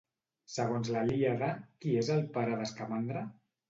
Segons la Iíada, qui és el pare d'Escamandre?